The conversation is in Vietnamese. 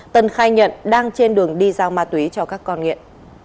tân khai nhận đang trên đường đi giao ma túy cho các con nghiện